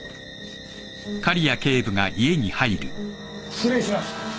失礼します。